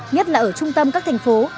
nhất là ở trung tâm các thành phố